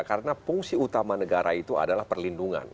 karena fungsi utama negara itu adalah perlindungan